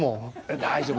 大丈夫。